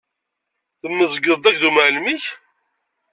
Temmezgeḍ-d akked umɛellem-ik?